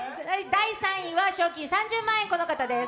第３位は賞金３０万円この方です。